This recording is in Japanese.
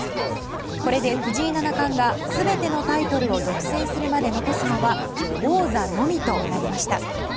これで藤井七冠が全てのタイトルを独占するまで残すのは王座のみとなりました。